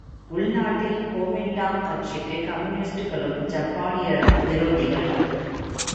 உள்நாட்டில் கொமிங்டாங் கட்சிக்கு கம்யூனிஸ்டுகளும் ஜப்பானியரும் விரோதிகள்.